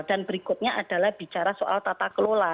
dan berikutnya adalah bicara soal tata kelola